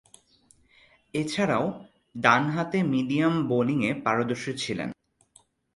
এছাড়াও, ডানহাতে মিডিয়াম বোলিংয়ে পারদর্শী ছিলেন।